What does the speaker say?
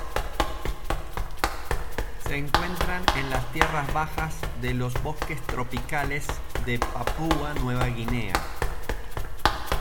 Se encuentran en las tierras bajas de los bosques tropicales de Papúa Nueva Guinea.